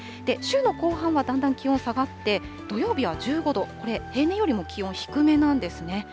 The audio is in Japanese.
週の後半はだんだん気温下がって、土曜日は１５度、平年よりも気温低めなんですね。